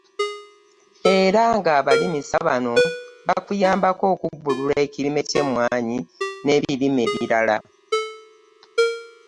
Era ng'abalimisa bano ba kuyambako okubbulula ekirime ky'emmwanyi n'ebirime ebirala.